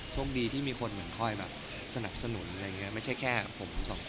โชคดีที่มีคนไค่สนับสนุนไม่ใช่แค่ผม๒คน